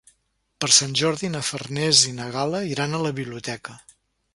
Per Sant Jordi na Farners i na Gal·la iran a la biblioteca.